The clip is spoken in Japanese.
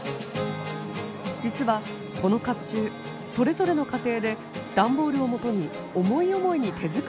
実はこの甲冑それぞれの家庭で段ボールをもとに思い思いに手作りしたものです。